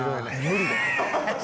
無理だよ。